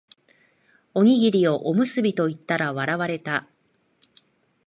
おにぎりをおむすびと言ったら笑われた